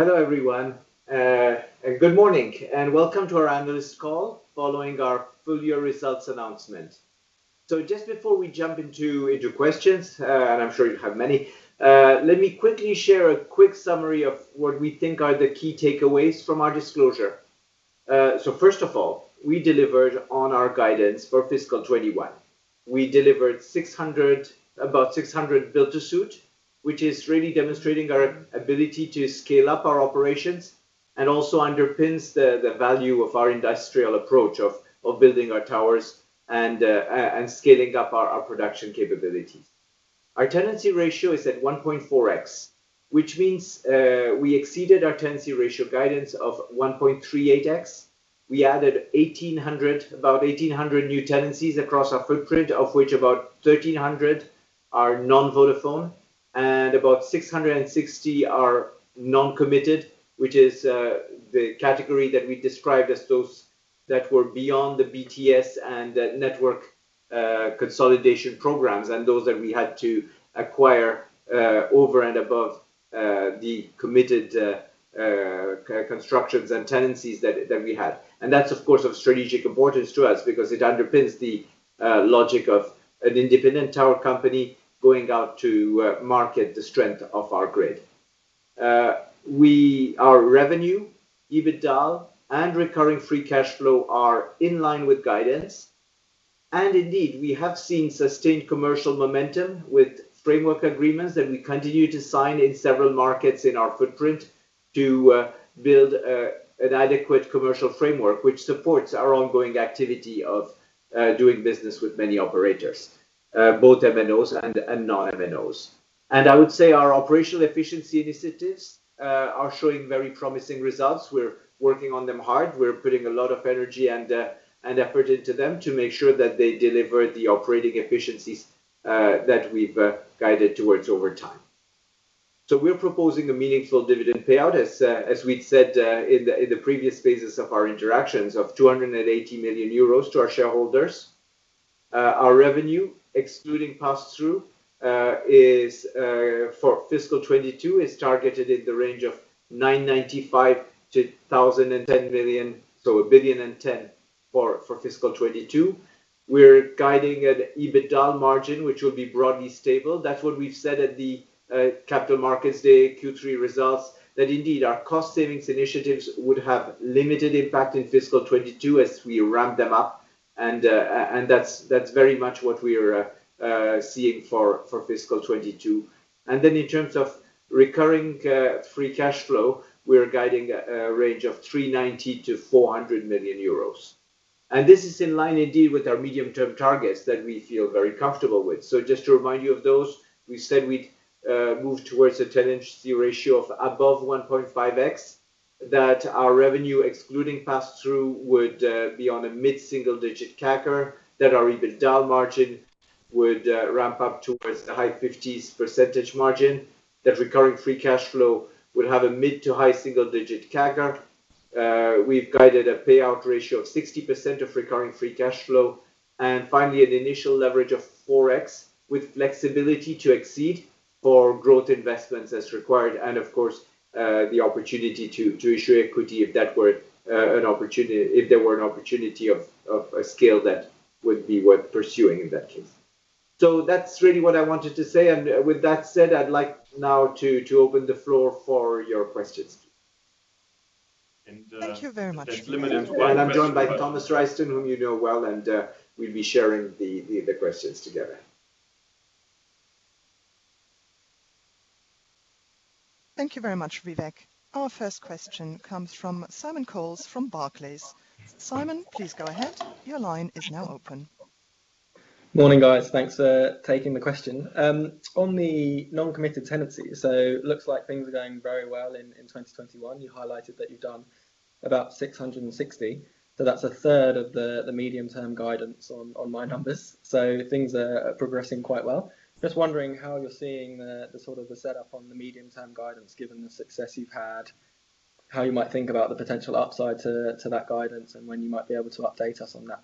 Hello everyone. Good morning and welcome to our analyst call following our full-year results announcement. Just before we jump into questions, and I am sure you have many, let me quickly share a quick summary of what we think are the key takeaways from our disclosure. First of all, we delivered on our guidance for fiscal 2021. We delivered about 600 build-to-suit, which is really demonstrating our ability to scale up our operations and also underpins the value of our industrial approach of building our towers and scaling up our production capability. Our tenancy ratio is at 1.4x, which means we exceeded our tenancy ratio guidance of 1.38x. We added about 1,800 new tenancies across our footprint, of which about 1,300 are non-Vodafone and about 660 are non-committed, which is the category that we described as those that were beyond the BTS and network consolidation programs and those that we had to acquire over and above the committed constructions and tenancies that we had. That's of course, of strategic importance to us because it underpins the logic of an independent tower company going out to market the strength of our grid. Our revenue, EBITDA, and recurring free cash flow are in line with guidance. Indeed, we have seen sustained commercial momentum with framework agreements that we continue to sign in several markets in our footprint to build an adequate commercial framework, which supports our ongoing activity of doing business with many operators, both MNOs and non-MNOs. I would say our operational efficiency initiatives are showing very promising results. We're working on them hard. We're putting a lot of energy and effort into them to make sure that they deliver the operating efficiencies that we've guided towards over time. We're proposing a meaningful dividend payout, as we'd said in the previous phases of our interactions, of 280 million euros to our shareholders. Our revenue excluding pass-through for fiscal 2022 is targeted in the range of 995 million-1,010 million, so 1,010 million for fiscal 2022. We're guiding an EBITDA margin, which will be broadly stable. That's what we've said at the Capital Markets Day Q3 results, that indeed our cost savings initiatives would have limited impact in fiscal 2022 as we ramp them up, and that's very much what we're seeing for fiscal 2022. In terms of recurring free cash flow, we're guiding a range of 390 million-400 million euros. This is in line indeed with our medium-term targets that we feel very comfortable with. Just to remind you of those, we said we'd move towards a tenancy ratio of above 1.5x, that our revenue excluding pass-through would be on a mid-single-digit CAGR, that our EBITDA margin would ramp up towards the high-50s percentage margin, that recurring free cash flow would have a mid to high single-digit CAGR. We've guided a payout ratio of 60% of recurring free cash flow, and finally, an initial leverage of 4x with flexibility to exceed for growth investments as required, and of course, the opportunity to issue equity if there were an opportunity of a scale that would be worth pursuing in that case. That's really what I wanted to say. With that said, I'd like now to open the floor for your questions. Thank you very much. I'm joined by Thomas Reisten, whom you know well, and we'll be sharing the questions together. Thank you very much, Vivek. Our first question comes from Simon Coles from Barclays. Simon, please go ahead. Your line is now open. Morning, guys. Thanks for taking the question. On the non-committed tenancy, it looks like things are going very well in 2021. You highlighted that you've done about 660, that's a third of the medium-term guidance on my numbers. Things are progressing quite well. Just wondering how you're seeing the setup on the medium-term guidance given the success you've had, how you might think about the potential upside to that guidance, and when you might be able to update us on that.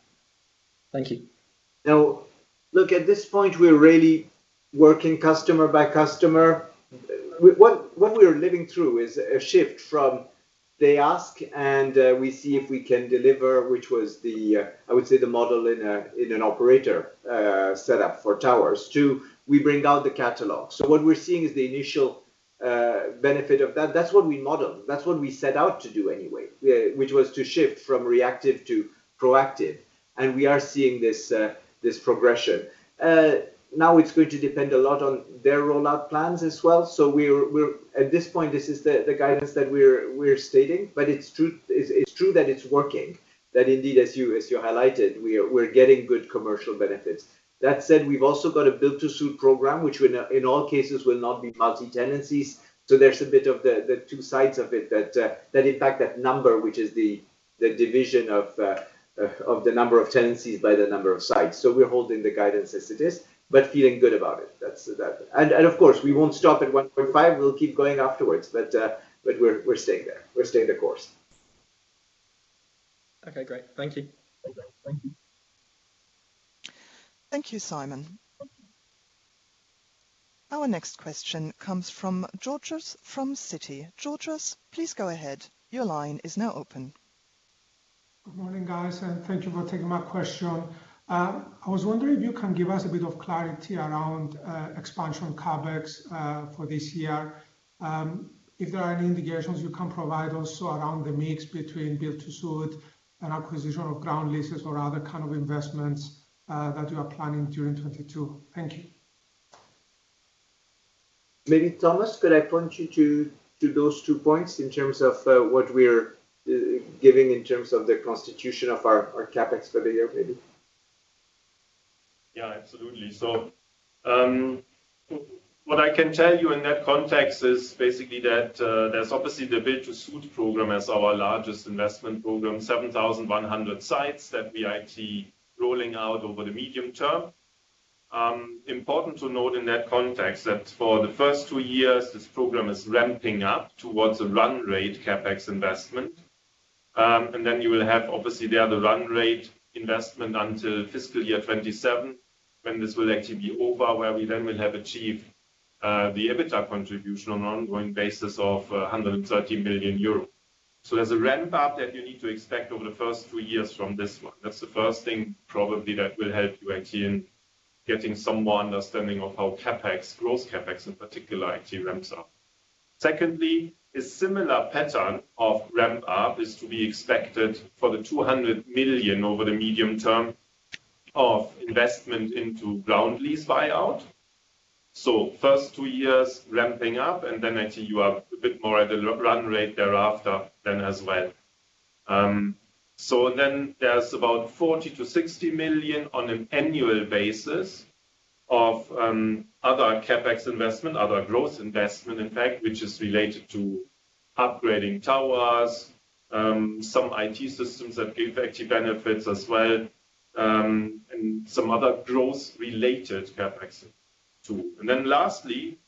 Thank you. At this point, we're really working customer by customer. What we are living through is a shift from they ask and we see if we can deliver, which was the, I would say, the model in an operator setup for towers, to we bring out the catalog. What we're seeing is the initial benefit of that. That's what we modeled. That's what we set out to do anyway, which was to shift from reactive to proactive. We are seeing this progression. It's going to depend a lot on their rollout plans as well. At this point, this is the guidance that we're stating, but it's true that it's working. That indeed, as you highlighted, we're getting good commercial benefits. That said, we've also got a build-to-suit program, which in all cases will not be multi-tenancies. There's a bit of the two sides of it that in fact that number, which is the division of the number of tenancies by the number of sites. We're holding the guidance as it is, but feeling good about it. Of course, we won't stop at 1.5x, we'll keep going afterwards, but we're staying there. We're staying the course. Okay, great. Thank you. Thank you, Simon. Our next question comes from Georgios from Citi. Georgios, please go ahead. Good morning, guys, and thank you for taking my question. I was wondering if you can give us a bit of clarity around expansion CapEx for this year. Is there any indications you can provide also around the mix between build-to-suit and acquisition of ground leases or other kind of investments that you are planning during 2022? Thank you. Maybe, Thomas, could I point you to those two points in terms of what we are giving in terms of the constitution of our CapEx for the year maybe? What I can tell you in that context is basically that there's obviously the build-to-suit program as our largest investment program, 7,100 sites that we IT rolling out over the medium term. Important to note in that context that for the first two years, this program is ramping up towards a run rate CapEx investment. Then you will have, obviously, the other run rate investment until fiscal year 2027, when this will actually be over, where we then will have achieved the EBITDA contribution on ongoing basis of 130 million euros. There's a ramp-up that you need to expect over the first three years from this one. That's the first thing probably that will help you actually in getting some more understanding of how CapEx, gross CapEx in particular, actually ramps up. Secondly, a similar pattern of ramp-up is to be expected for the 200 million over the medium term of investment into ground lease buyout. First two years ramping up, then actually you are a bit more at a run rate thereafter as well. Then there's about 40 million-60 million on an annual basis of other CapEx investment, other growth investment, in fact, which is related to upgrading towers, some IT systems that give actually benefits as well, and some other growth-related CapEx too. Lastly,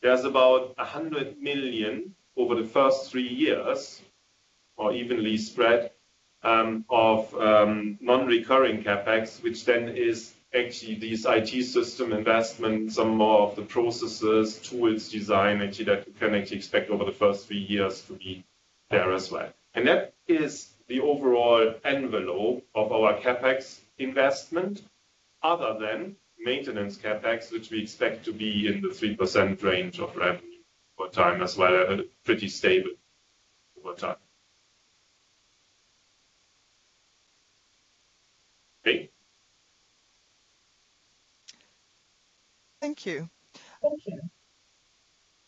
there's about 100 million over the first three years, or evenly spread, of non-recurring CapEx, which then is actually these IT system investments, some more of the processes, tools design, actually, that we can actually expect over the first three years to be there as well. That is the overall envelope of our CapEx investment, other than maintenance CapEx, which we expect to be in the 3% range of revenue over time as well, pretty stable over time. Okay. Thank you.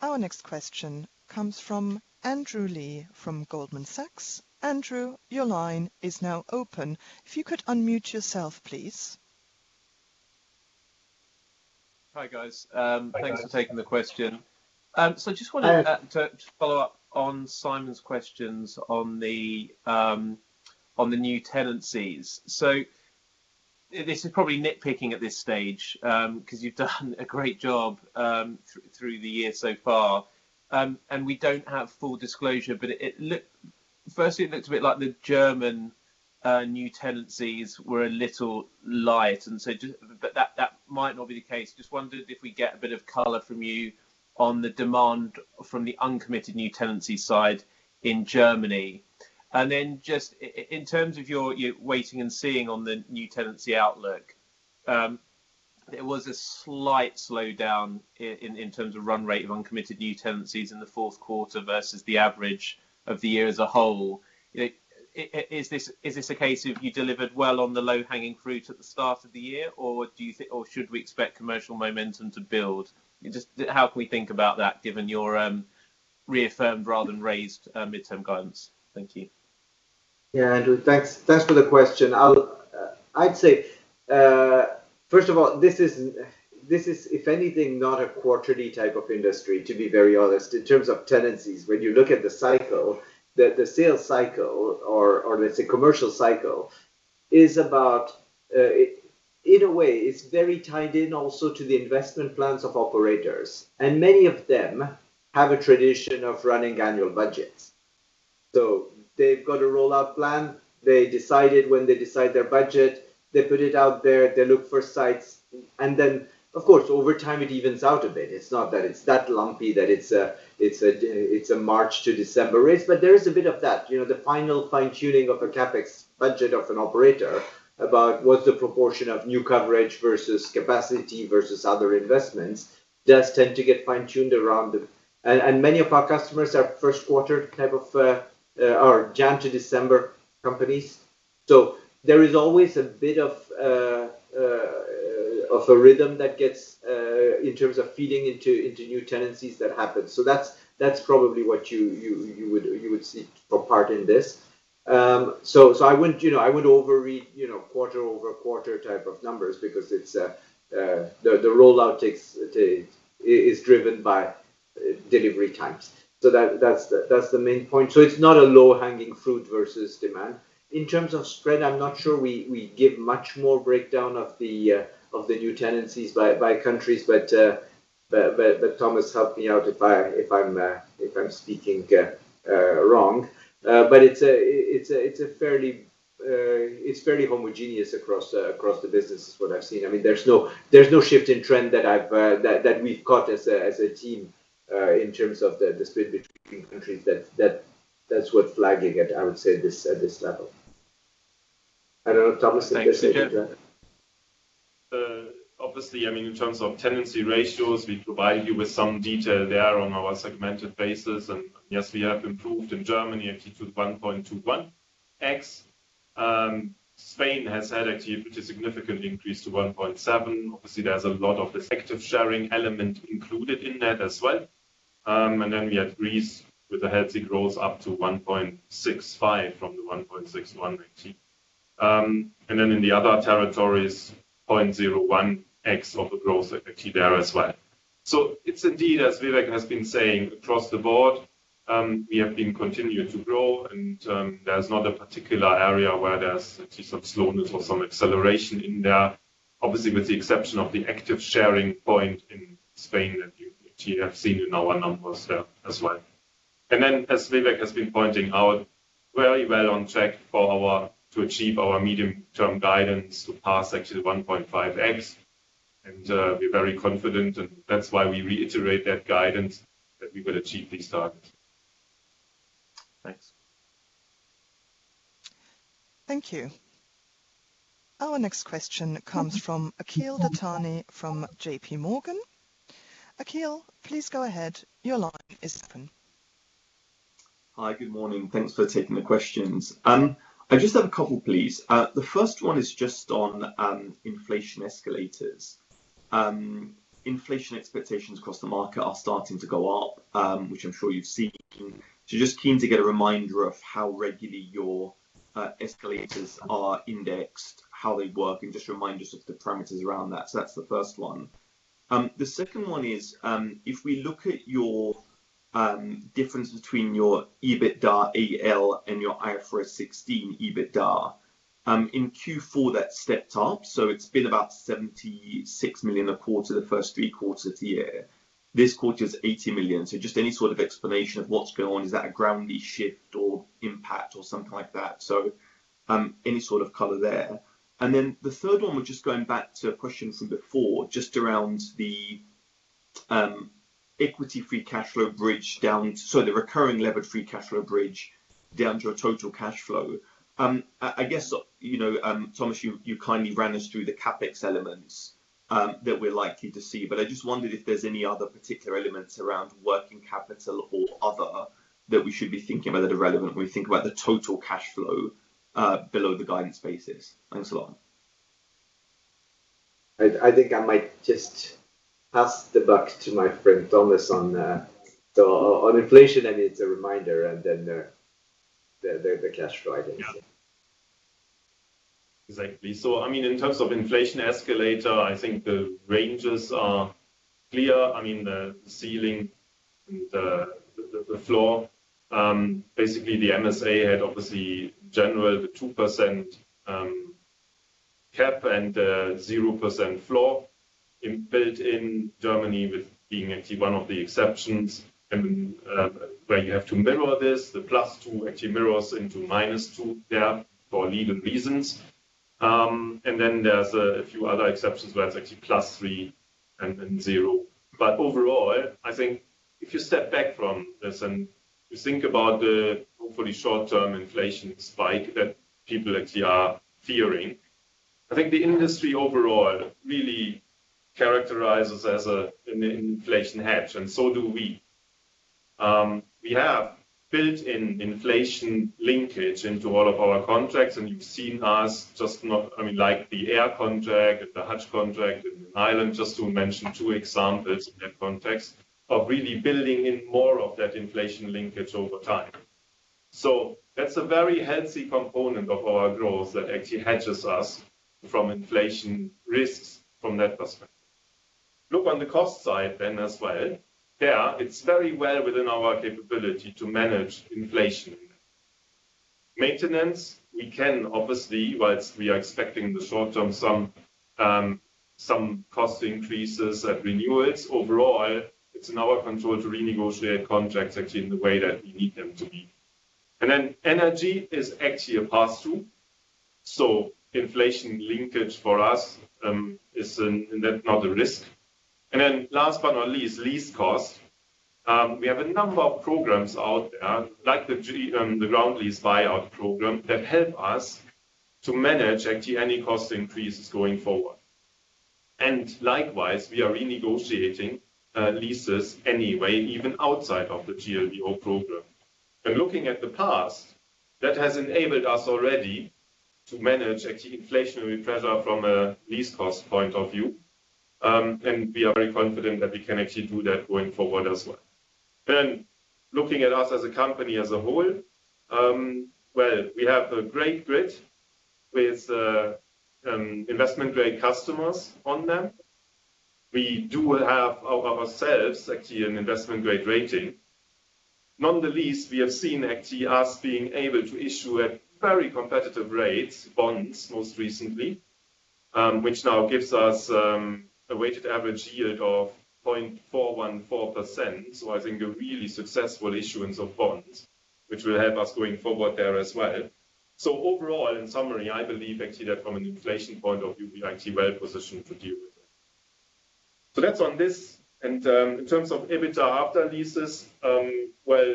Our next question comes from Andrew Lee from Goldman Sachs. Andrew, your line is now open. If you could unmute yourself, please. Hi, guys. Thanks for taking the question. I just wanted to follow up on Simon's questions on the new tenancies. This is probably nitpicking at this stage, because you've done a great job through the year so far, and we don't have full disclosure, but firstly, it looks a bit like the German new tenancies were a little light. That might not be the case. I just wondered if we'd get a bit of color from you on the demand from the uncommitted new tenancy side in Germany. Just in terms of your waiting and seeing on the new tenancy outlook, there was a slight slowdown in terms of run rate of uncommitted new tenancies in the fourth quarter versus the average of the year as a whole. Is this a case of you delivered well on the low-hanging fruit at the start of the year, or should we expect commercial momentum to build? Just how can we think about that given your reaffirmed rather than raised midterm guidance? Thank you. Yeah, Andrew, thanks for the question. I'd say, first of all, this is, if anything, not a quarterly type of industry, to be very honest, in terms of tenancies. When you look at the cycle, the sales cycle, or let's say commercial cycle, in a way, it's very tied in also to the investment plans of operators. Many of them have a tradition of running annual budgets. They've got a rollout plan. They decide it when they decide their budget. They put it out there. They look for sites. Of course, over time, it evens out a bit. It's not that it's that lumpy that it's a March to December race. There is a bit of that. The final fine-tuning of a CapEx budget of an operator about what the proportion of new coverage versus capacity versus other investments does tend to get fine-tuned around it. Many of our customers are first quarter kind of, or January to December companies. There is always a bit of a rhythm that gets in terms of feeding into new tenancies that happens. That's probably what you would see a part in this. I wouldn't overread quarter-over-quarter type of numbers because the rollout is driven by delivery times. That's the main point. It's not a low-hanging fruit versus demand. In terms of spread, I'm not sure we give much more breakdown of the new tenancies by countries, but Thomas, help me out if I'm speaking wrong. It's fairly homogeneous across the business is what I've seen. There's no shift in trend that we've got as a team in terms of the split between countries that's worth flagging at, I would say, this level. I don't know, Thomas, if you want to. Obviously, in terms of tenancy ratios, we provide you with some detail there on our segmented basis. Yes, we have improved in Germany to 1.21x. Spain has had a pretty significant increase to 1.7x. Obviously, there's a lot of this active sharing element included in that as well. Then we have Greece with a healthy growth up to 1.65x from the 1.61x. Then in the other territories, 0.01x of the growth there as well. It's indeed, as Vivek has been saying, across the board, we have been continuing to grow, and there's not a particular area where there's some slowness or some acceleration in there. Obviously, with the exception of the active sharing point in Spain that you have seen in our numbers there as well. As Vivek has been pointing out, very well on track to achieve our medium-term guidance to pass actually 1.5x, and we're very confident, and that's why we reiterate that guidance that we will achieve this target. Thanks. Thank you. Our next question comes from Akhil Dattani from JPMorgan. Akhil, please go ahead. Your line is open. Hi. Good morning. Thanks for taking the questions. I just have a couple, please. The first one is just on inflation escalators. Inflation expectations across the market are starting to go up, which I'm sure you've seen. Just keen to get a reminder of how regularly your escalators are indexed, how they work, and just remind us of the parameters around that. That's the first one. The second one is if we look at your difference between your EBITDA AL and your IFRS 16 EBITDA. In Q4, that stepped up. It's been about 76 million a quarter, the first three quarters of the year. This quarter is 80 million. Just any sort of explanation of what's going on. Is that a ground shift or impact or something like that? Any sort of color there. The third one, we're just going back to a question from before, just around the equity free cash flow bridge down. The recurring lever free cash flow bridge down to a total cash flow. I guess, Thomas, you kindly ran us through the CapEx elements that we're likely to see, but I just wondered if there's any other particular elements around working capital or other that we should be thinking about are relevant when we think about the total cash flow below the guidance basis? I think I might just pass the buck to my friend Thomas on that. On inflation, I need a reminder and then the cash flow item. Exactly. In terms of inflation escalator, I think the ranges are clear. The ceiling and the floor. Basically, the MSA had obviously general 2% cap and a 0% floor built in Germany with being one of the exceptions. Where you have to mirror this, the +2 mirrors into -2 there for legal reasons. There's a few other exceptions where it's +3 and then 0. Overall, I think if you step back from this and you think about the hopefully short-term inflation spike that people are fearing, I think the industry overall really characterizes as an inflation hedge, and so do we. We have built in inflation linkage into all of our contracts, you've seen us just not like the Eir contract and the Hutch contract in Ireland, just to mention two examples in that context of really building in more of that inflation linkage over time. That's a very healthy component of our growth that actually hedges us from inflation risks from that perspective. Look on the cost side then as well. There, it's very well within our capability to manage inflation. Maintenance, we can obviously, whilst we are expecting in the short term some cost increases at renewals. Overall, it's in our control to renegotiate contracts in the way that we need them to be. Energy is actually a pass-through, so inflation linkage for us is not a risk. Last but not least, lease costs. We have a number of programs out there, like the ground lease buyout program, that help us to manage any cost increases going forward. Likewise, we are renegotiating leases anyway, even outside of the GLBO program. Looking at the past, that has enabled us already to manage inflation better from a lease cost point of view, and we are very confident that we can actually do that going forward as well. Looking at us as a company as a whole. Well, we have a great grid with investment grade customers on them. We do have ourselves actually an investment grade rating. Nonetheless, we have seen actually us being able to issue at very competitive rates, bonds, most recently, which now gives us a weighted average yield of 0.414%. I think a really successful issuance of bonds, which will help us going forward there as well. Overall, in summary, I believe actually that from an inflation point of view, we're actually well-positioned to deal with it. In terms of EBITDA AL, well,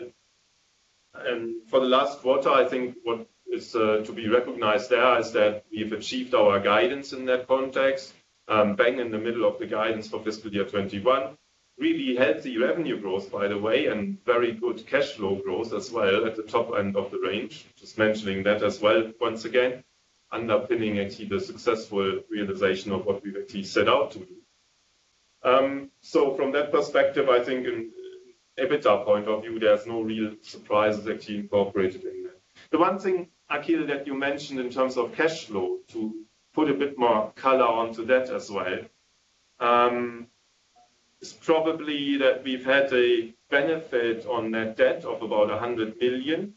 for the last quarter, I think what is to be recognized there is that we've achieved our guidance in that context, bang in the middle of the guidance for fiscal year 2021. Really healthy revenue growth, by the way, and very good cash flow growth as well at the top end of the range. Just mentioning that as well, once again, underpinning actually the successful realization of what we actually set out to do. From that perspective, I think in EBITDA point of view, there's no real surprises actually incorporated in there. The one thing, Akhil Dattani, that you mentioned in terms of cash flow, to put a bit more color onto that as well, is probably that we've had a benefit on net debt of about 100 million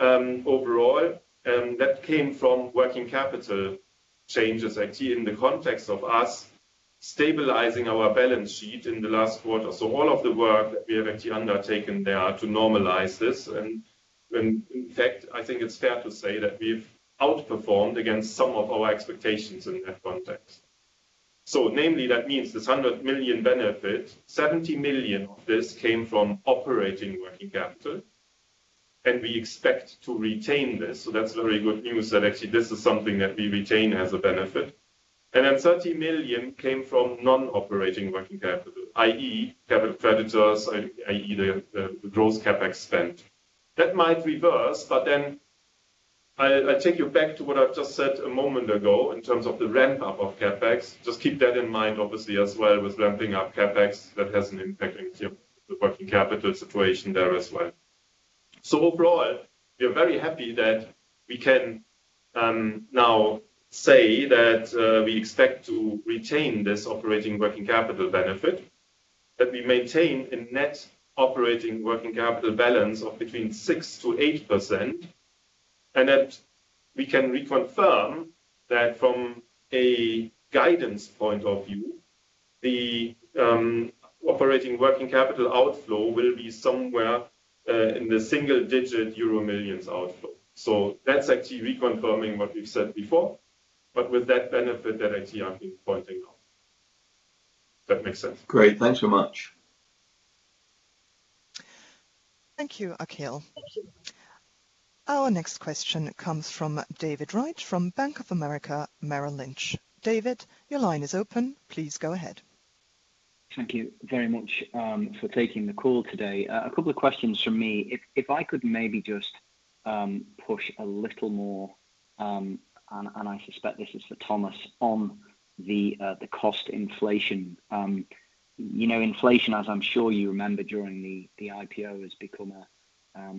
overall, that came from working capital changes, actually in the context of us stabilizing our balance sheet in the last quarter. All of the work that we have actually undertaken there to normalize this, and in fact, I think it's fair to say that we've outperformed against some of our expectations in that context. Namely, that means this 100 million benefit, 70 million of this came from operating working capital, and we expect to retain this. That's very good news that actually this is something that we retain as a benefit. Then 30 million came from non-operating working capital, i.e. debit creditors, i.e. the gross CapEx spend. That might reverse, but then I take you back to what I've just said a moment ago in terms of the ramp-up of CapEx. Just keep that in mind, obviously, as well with ramping up CapEx, that has an impact actually on the working capital situation there as well. Overall, we are very happy that we can now say that we expect to retain this operating working capital benefit, that we maintain a net operating working capital balance of between 6%-8%, and that we can reconfirm that from a guidance point of view, the operating working capital outflow will be somewhere in the single-digit euro millions outflow. That's actually reconfirming what we've said before, but with that benefit that actually I'm pointing out. If that makes sense. Great. Thanks so much. Thank you, Akhil. Our next question comes from David Wright from Bank of America Merrill Lynch. David, your line is open. Please go ahead. Thank you very much for taking the call today. A couple of questions from me. If I could maybe just push a little more, and I suspect this is for Thomas, on the cost inflation. Inflation, as I'm sure you remember during the IPO, has become a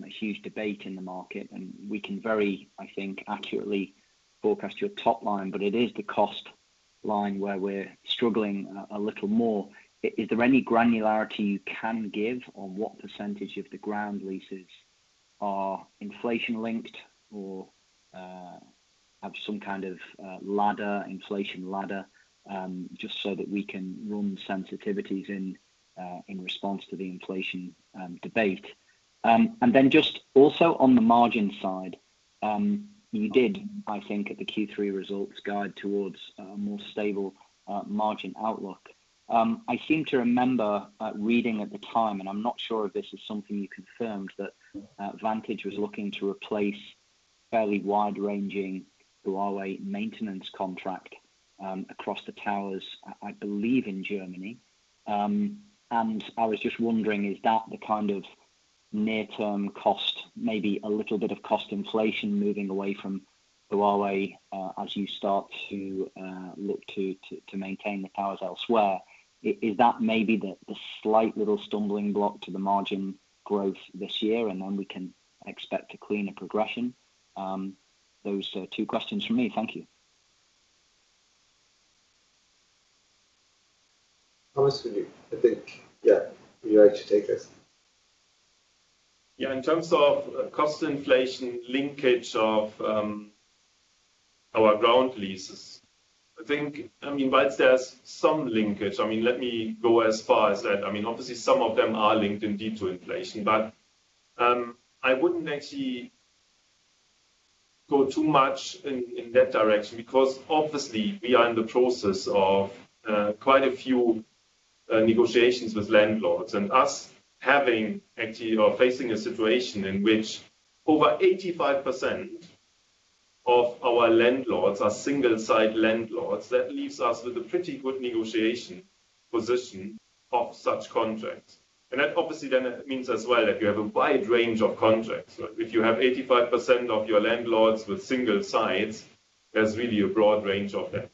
huge debate in the market, and we can very, I think, accurately forecast your top line, but it is the cost line where we're struggling a little more. Is there any granularity you can give on what percentage of the ground leases are inflation-linked or have some kind of ladder, inflation ladder, just so that we can run sensitivities in response to the inflation debate? Then just also on the margin side, you did, I think, at the Q3 results guide towards a more stable margin outlook. I seem to remember reading at the time, and I'm not sure if this is something you confirmed, that Vantage was looking to replace fairly wide-ranging Huawei maintenance contract across the towers, I believe in Germany. I was just wondering, is that the kind of near-term cost, maybe a little bit of cost inflation moving away from Huawei as you start to look to maintain the towers elsewhere? Is that maybe the slight little stumbling block to the margin growth this year, and then we can expect a cleaner progression? Those are two questions from me. Thank you. Thomas will, I think, yeah, he will actually take this. Yeah. In terms of cost inflation linkage of our ground leases, I think, I mean, whilst there's some linkage, I mean, let me go as far as that. I mean, obviously some of them are linked indeed to inflation, but I wouldn't actually go too much in that direction because obviously we are in the process of quite a few negotiations with landlords and us having actually or facing a situation in which over 85% of our landlords are single-site landlords. That leaves us with a pretty good negotiation position of such contracts. That obviously then it means as well, if you have a wide range of contracts, but if you have 85% of your landlords with single sites, there's really a broad range of them.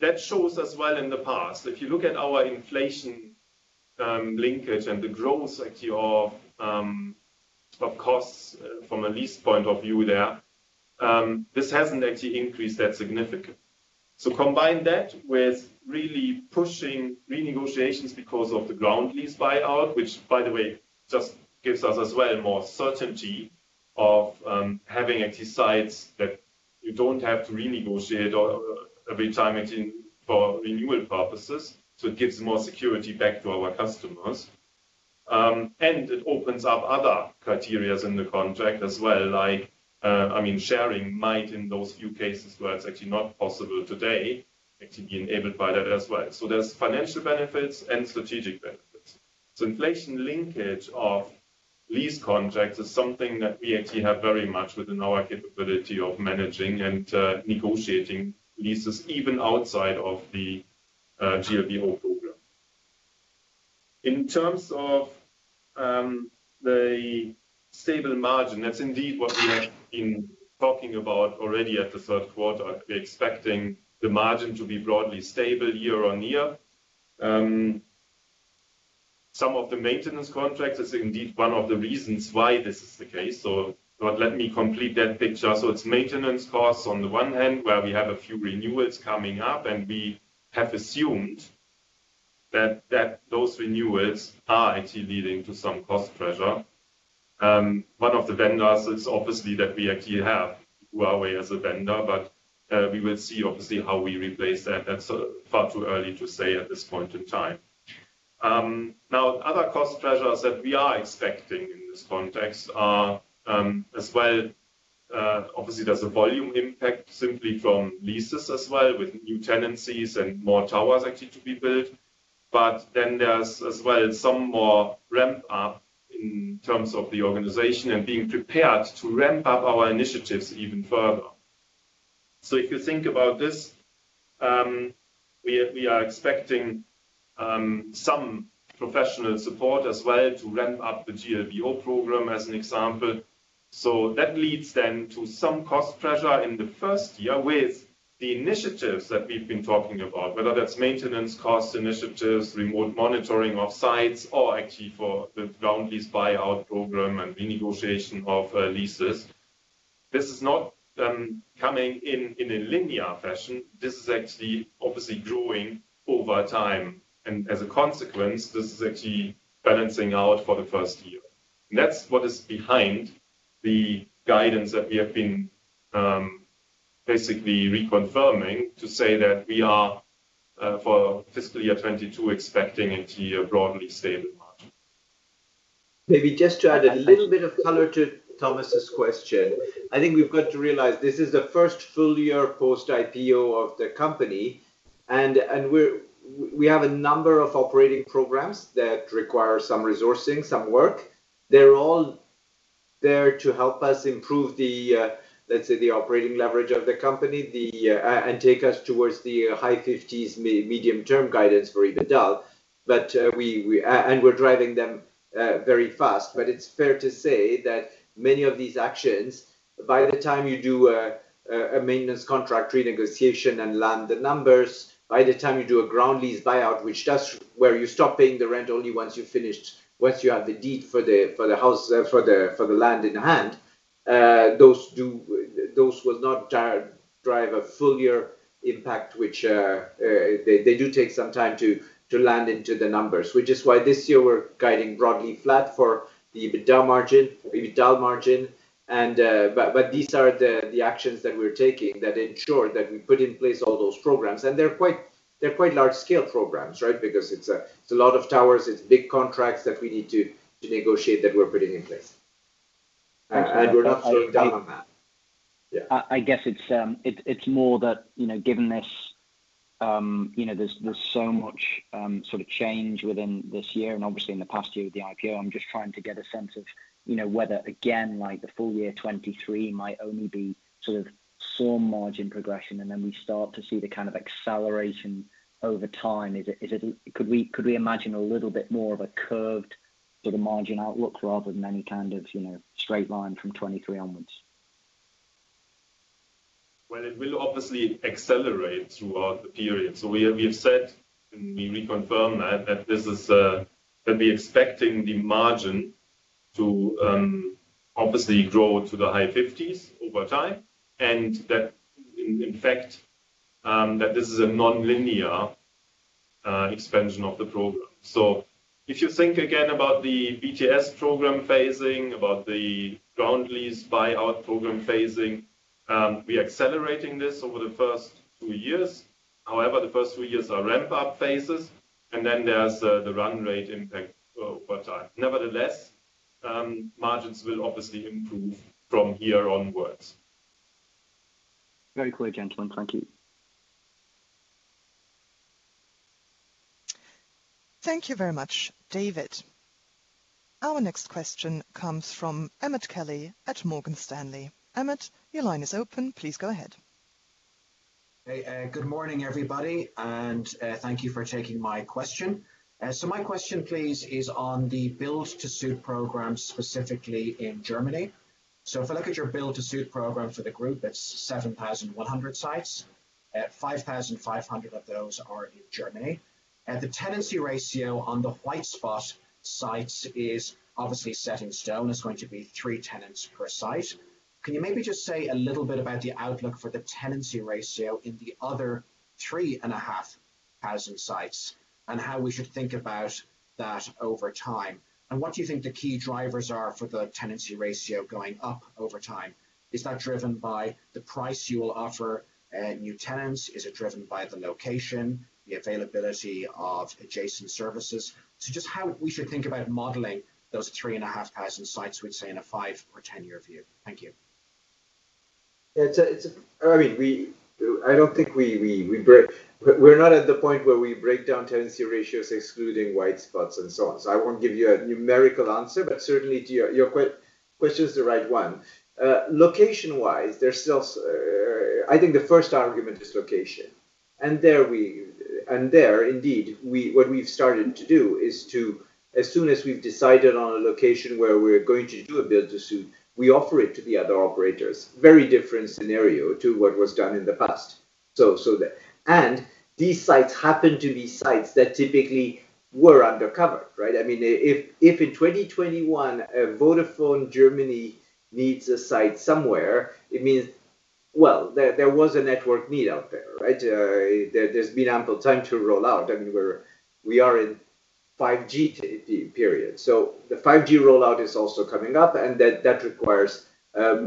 That shows as well in the past, if you look at our inflation linkage and the growth actually of costs from a lease point of view there, this hasn't actually increased that significantly. Combine that with really pushing renegotiations because of the ground lease buyout, which by the way, just gives us as well more certainty of having empty sites that we don't have to renegotiate every time for renewal purposes. It gives more security back to our customers. It opens up other criteria in the contract as well, like sharing might in those few cases where it's actually not possible today, actually be enabled by that as well. There's financial benefits and strategic benefits. Inflation linkage of lease contracts is something that we actually have very much within our capability of managing and negotiating leases even outside of the GLBO program. In terms of the stable margin, that's indeed what we have been talking about already at the third quarter. We're expecting the margin to be broadly stable year-on-year. Some of the maintenance contracts is indeed one of the reasons why this is the case. Let me complete that picture. So it's maintenance costs on the one hand, where we have a few renewals coming up, and we have assumed that those renewals are actually leading to some cost pressure. One of the vendors is obviously that we actually have Huawei as a vendor, but we will see obviously how we replace that. That's far too early to say at this point in time. Other cost pressures that we are expecting in this context are, as well, obviously there's a volume impact simply from leases as well, with new tenancies and more towers actually to be built. There's as well some more ramp-up in terms of the organization and being prepared to ramp up our initiatives even further. If you think about this, we are expecting some professional support as well to ramp up the GLBO program, as an example. That leads then to some cost pressure in the first year with the initiatives that we've been talking about, whether that's maintenance cost initiatives, remote monitoring of sites, or actually for the ground lease buyout program and renegotiation of leases. This is not coming in in a linear fashion. This is actually obviously growing over time. As a consequence, this is actually balancing out for the first year. That's what is behind the guidance that we have been basically reconfirming to say that we are, for fiscal year 2022, expecting it to be a broadly stable margin. Maybe just to add a little bit of color to Thomas' question. I think we've got to realize this is the first full year post-IPO of the company, and we have a number of operating programs that require some resourcing, some work. They're all there to help us improve the, let's say, the operating leverage of the company, and take us towards the high 50s medium-term guidance for EBITDA. We're driving them very fast. It's fair to say that many of these actions, by the time you do a maintenance contract renegotiation and land the numbers, by the time you do a ground lease buyout, which that's where you stop paying the rent only once you have the deed for the land in hand, those will not drive a full year impact, which they do take some time to land into the numbers. This year we're guiding broadly flat for the EBITDA margin. These are the actions that we're taking that ensure that we put in place all those programs. They're quite large-scale programs, right? Because it's a lot of towers, it's big contracts that we need to negotiate that we're putting in place. We're not slowing down on that. Yeah. I guess it's more that, given there's so much change within this year and obviously in the past year with the IPO, I'm just trying to get a sense of whether, again, like the full year 2023 might only be sort of some margin progression, and then we start to see the kind of acceleration over time. Could we imagine a little bit more of a curved sort of margin outlook rather than any kind of straight line from 2023 onwards? Well, it will obviously accelerate throughout the period. We have said, and we confirm that we are expecting the margin to obviously grow to the high 50s over time, and that in fact, that this is a nonlinear expansion of the program. If you think again about the BTS program phasing, about the ground lease buyout program phasing, we are accelerating this over the first two years. However, the first two years are ramp-up phases, and then there is the run rate impact over time. Nevertheless, margins will obviously improve from here onwards. Very quick, gentlemen. Thank you. Thank you very much, David. Our next question comes from Emmet Kelly at Morgan Stanley. Emmet, your line is open. Please go ahead. Good morning, everybody, and thank you for taking my question. My question please is on the build-to-suit program, specifically in Germany. If I look at your build-to-suit program for the group, it's 7,100 sites. 5,500 of those are in Germany. The tenancy ratio on the white spot sites is obviously set in stone. It's going to be three tenants per site. Can you maybe just say a little bit about the outlook for the tenancy ratio in the other 3,500 sites and how we should think about that over time? What do you think the key drivers are for the tenancy ratio going up over time? Is that driven by the price you will offer new tenants? Is it driven by the location, the availability of adjacent services? Just how we should think about modeling those 3,500 sites, we'd say in a five or 10-year view. Thank you. I don't think we're not at the point where we break down tenancy ratios excluding white spots and so on. I won't give you a numerical answer, but certainly your question's the right one. Location-wise, I think the first argument is location. There, indeed, what we've started to do is to, as soon as we've decided on a location where we're going to do a build-to-suit, we offer it to the other operators. Very different scenario to what was done in the past. These sites happen to be sites that typically were under cover, right? If in 2021, Vodafone Germany needs a site somewhere, it means, well, there was a network need out there, right? There's been ample time to roll out. We are in 5G period. The 5G rollout is also coming up, and that requires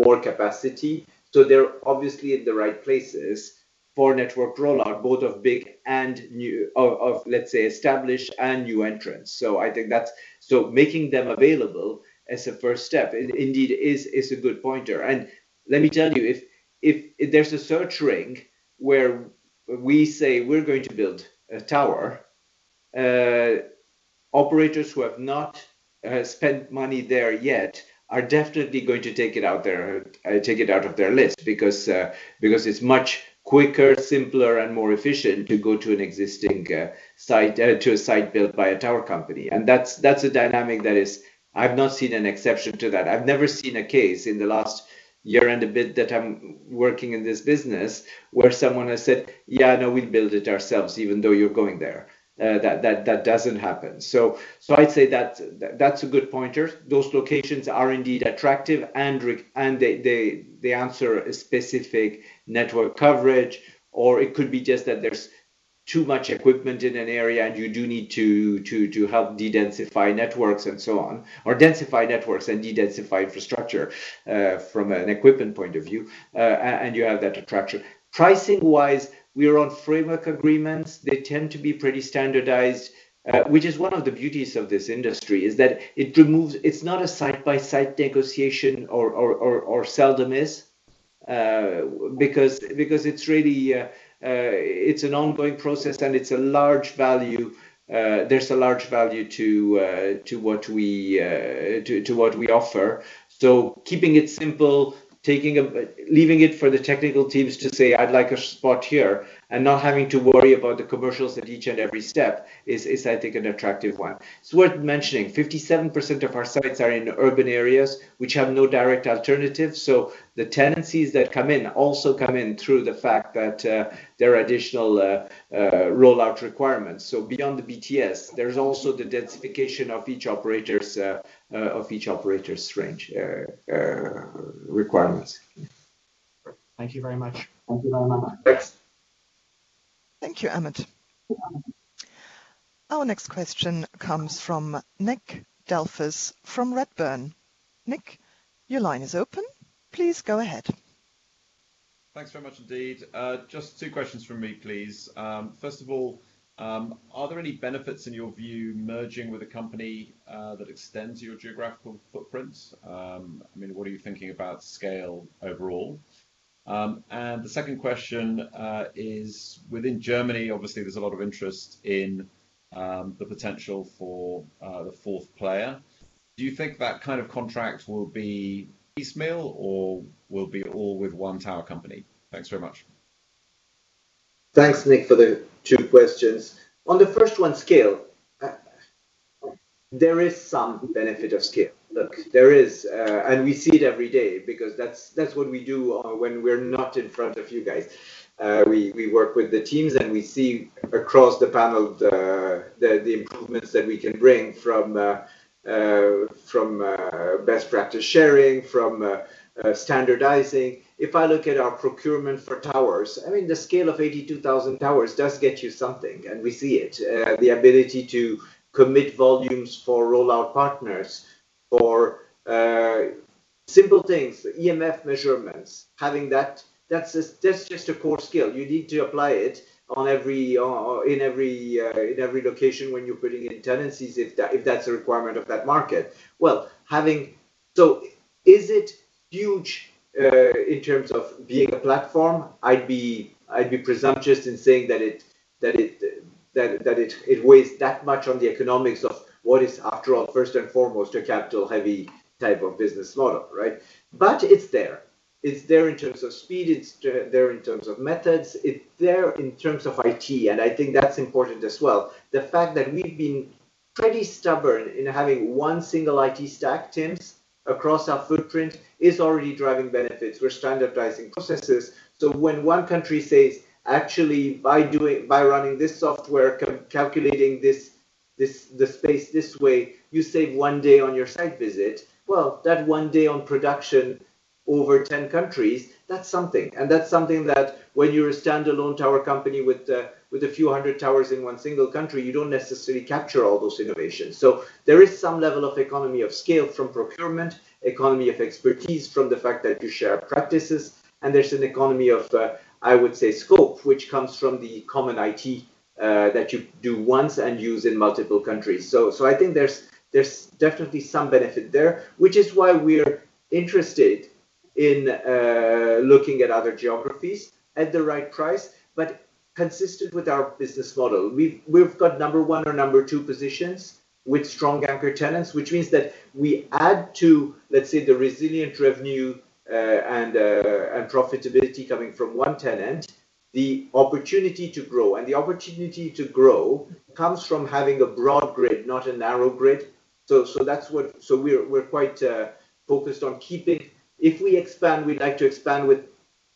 more capacity. They're obviously in the right places for network rollout, both of, let's say, established and new entrants. Making them available as a first step indeed is a good pointer. Let me tell you, if there's a search ring where we say we're going to build a tower, operators who have not spent money there yet are definitely going to take it out of their list because it's much quicker, simpler, and more efficient to go to a site built by a tower company. That's a dynamic that is, I've not seen an exception to that. I've never seen a case in the last year and a bit that I'm working in this business where someone has said, "Yeah, no, we build it ourselves, even though you're going there." That doesn't happen. I'd say that's a good pointer. Those locations are indeed attractive, and they answer a specific network coverage, or it could be just that there's too much equipment in an area, and you do need to help dedensify networks and so on, or densify networks and dedensify infrastructure, from an equipment point of view, and you have that attraction. Pricing-wise, we are on framework agreements. They tend to be pretty standardized, which is one of the beauties of this industry, is that it's not a site-by-site negotiation or seldom is, because it's an ongoing process, and there's a large value to what we offer. Keeping it simple, leaving it for the technical teams to say, "I'd like a spot here," and not having to worry about the commercials at each and every step is, I think, an attractive one. It's worth mentioning, 57% of our sites are in urban areas which have no direct alternatives. The tenancies that come in also come in through the fact that there are additional rollout requirements. Beyond the BTS, there's also the densification of each operator's range requirements. Thank you very much. Thank you very much. Thanks. Thank you, Emmet. Our next question comes from Nick Delfas from Redburn. Nick, your line is open. Please go ahead. Thanks very much indeed. Just two questions from me, please. First of all, are there any benefits in your view, merging with a company that extends your geographical footprint? What are you thinking about scale overall? The second question is, within Germany, obviously, there's a lot of interest in the potential for the fourth player. Do you think that kind of contract will be piecemeal or will be all with one tower company? Thanks very much. Thanks, Nick, for the two questions. On the first one, scale. There is some benefit of scale. Look, there is, and we see it every day because that's what we do when we're not in front of you guys. We work with the teams, and we see across the board the improvements that we can bring from best practice sharing, from standardizing. If I look at our procurement for towers, the scale of 82,000 towers does get you something, and we see it. The ability to commit volumes for rollout partners for simple things, EMF measurements. That's just a core skill. You need to apply it in every location when you're putting in tenancies, if that's a requirement of that market. Well, so is it huge in terms of being a platform? I'd be presumptuous in saying that it weighs that much on the economics of what is, after all, first and foremost, a capital-heavy type of business model, right? It's there. It's there in terms of speed. It's there in terms of methods. It's there in terms of IT, and I think that's important as well. The fact that we've been pretty stubborn in having one single IT stack teams, across our footprint is already driving benefits. We're standardizing processes. When one country says, "Actually, by running this software, calculating the space this way, you save one day on your site visit." Well, that one day on production over 10 countries, that's something. That's something that when you're a standalone tower company with a few hundred towers in one single country, you don't necessarily capture all those innovations. There is some level of economy of scale from procurement, economy of expertise from the fact that you share practices, and there's an economy of, I would say, scope, which comes from the common IT that you do once and use in multiple countries. I think there's definitely some benefit there, which is why we're interested in looking at other geographies at the right price. Consistent with our business model. We've got number one or number two positions with strong anchor tenants, which means that we add to, let's say, the resilient revenue and profitability coming from one tenant, the opportunity to grow. The opportunity to grow comes from having a broad grid, not a narrow grid. We're quite focused on keeping. If we expand, we'd like to expand with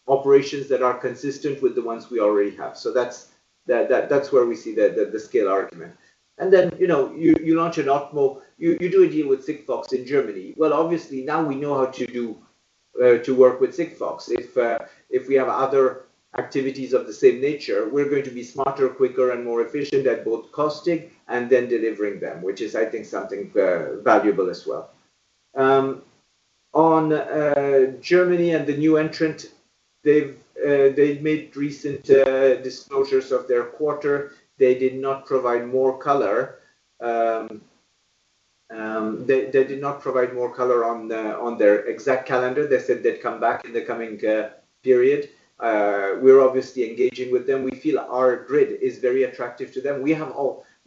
operations that are consistent with the ones we already have. That's where we see the scale argument. You launch an OpMo, you do a deal with Sigfox in Germany. Obviously, now we know how to work with Sigfox. If we have other activities of the same nature, we're going to be smarter, quicker and more efficient at both costing and then delivering them, which is, I think, something valuable as well. Germany and the new entrant, they've made recent disclosures of their quarter. They did not provide more color on their exact calendar. They said they'd come back in the coming period. We're obviously engaging with them. We feel our grid is very attractive to them. We have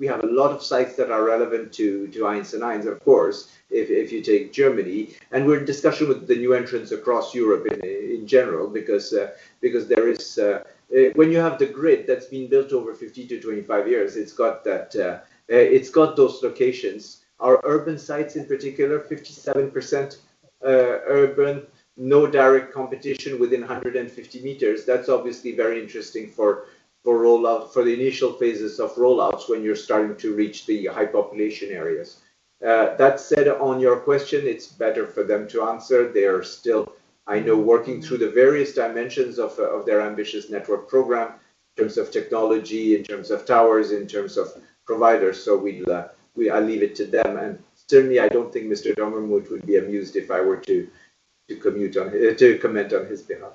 a lot of sites that are relevant to 1&1, of course, if you take Germany. We're in discussion with the new entrants across Europe in general, because when you have the grid that's been built over 15 to 25 years, it's got those locations. Our urban sites in particular, 57% urban, no direct competition within 150 m. That's obviously very interesting for the initial phases of rollouts when you're starting to reach the high population areas. That said, on your question, it's better for them to answer. They are still, I know, working through the various dimensions of their ambitious network program in terms of technology, in terms of towers, in terms of providers. We'll leave it to them. Certainly, I don't think Mr. Dommermuth would be amused if I were to comment on his behalf.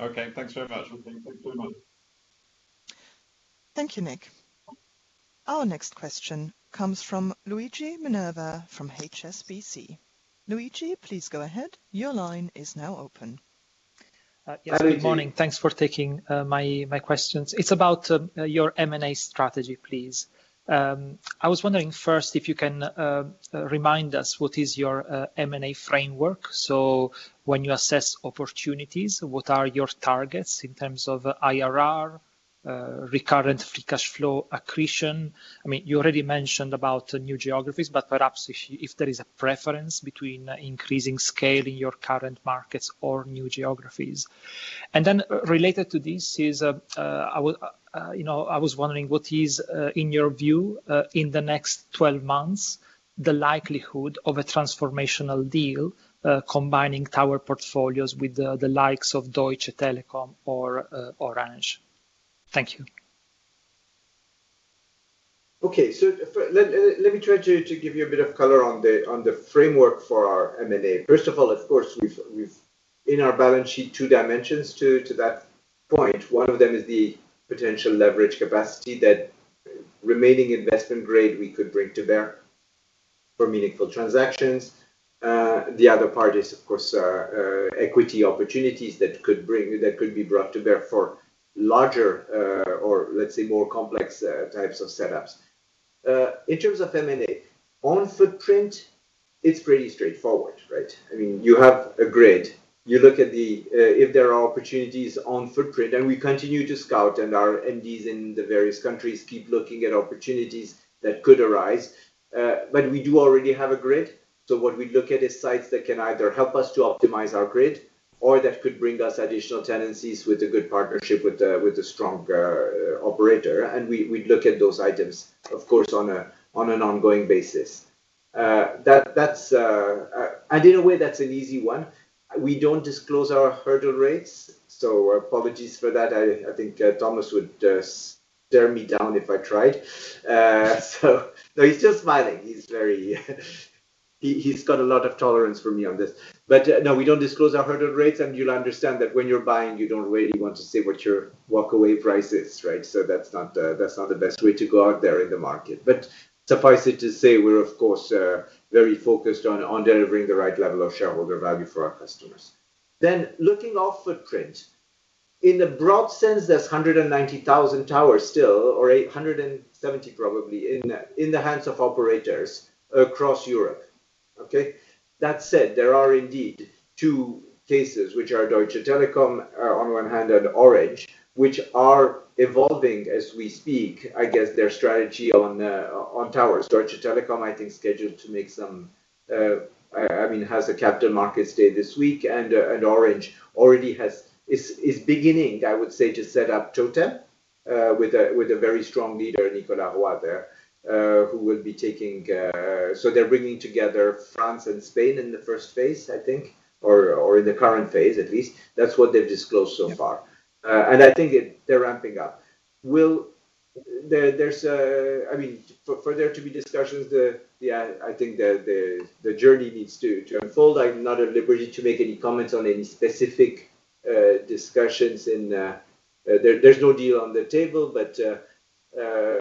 Okay, thanks very much. Thank you very much. Thank you, Nick. Our next question comes from Luigi Minerva from HSBC. Luigi, please go ahead. Your line is now open. Yes, Luigi. Good morning. Thanks for taking my questions. It's about your M&A strategy, please. I was wondering first if you can remind us what is your M&A framework? When you assess opportunities, what are your targets in terms of IRR, recurring free cash flow accretion? You already mentioned about new geographies, perhaps if there is a preference between increasing scale in your current markets or new geographies. Related to this is, I was wondering, what is, in your view, in the next 12 months, the likelihood of a transformational deal combining tower portfolios with the likes of Deutsche Telekom or Orange? Thank you. Okay. Let me try to give you a bit of color on the framework for our M&A. First of all, of course, we've in our balance sheet two dimensions to that point. One of them is the potential leverage capacity that remaining investment grade we could bring to bear for meaningful transactions. The other part is, of course, equity opportunities that could be brought to bear for larger or, let's say, more complex types of setups. In terms of M&A, on footprint, it's pretty straightforward, right? You have a grid. You look at if there are opportunities on footprint, and we continue to scout, and our MDs in the various countries keep looking at opportunities that could arise. We do already have a grid. What we look at is sites that can either help us to optimize our grid or that could bring us additional tenancies with a good partnership with a strong operator. We look at those items, of course, on an ongoing basis. In a way, that's an easy one. We don't disclose our hurdle rates, apologies for that. I think Thomas would tear me down if I tried. No, he's just smiling. He's got a lot of tolerance for me on this. No, we don't disclose our hurdle rates, and you'll understand that when you're buying, you don't really want to say what your walkaway price is, right? That's not the best way to go out there in the market. Suffice it to say, we're of course very focused on delivering the right level of shareholder value for our customers. Looking off footprint. In a broad sense, there's 190,000 towers still, or 170 probably, in the hands of operators across Europe. Okay. That said, there are indeed two cases which are Deutsche Telekom on one hand, and Orange, which are evolving as we speak, I guess their strategy on towers. Deutsche Telekom, I think, is scheduled to have a Capital Markets Day this week, and Orange already is beginning, I would say, to set up Totem, with a very strong leader, Nicolas Roy, who will be taking care. They're bringing together France and Spain in the first phase, I think, or in the current phase, at least. That's what they've disclosed so far. I think they're ramping up. For there to be discussions, I think the journey needs to unfold. I'm not at liberty to make any comments on any specific discussions, and there's no deal on the table, but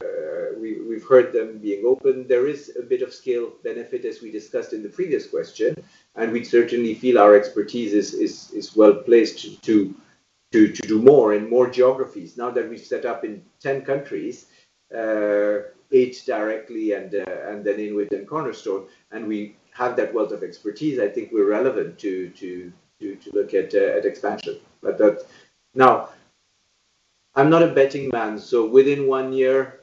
we've heard them being open. There is a bit of scale benefit, as we discussed in the previous question, and we certainly feel our expertise is well-placed to do more in more geographies now that we've set up in 10 countries, eight directly and then within Cornerstone, and we have that wealth of expertise, I think we're relevant to look at expansion. Now I'm not a betting man, so within one year,